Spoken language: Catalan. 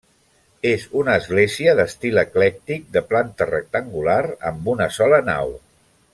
És una església, d'estil eclèctic de planta rectangular, amb una sola nau.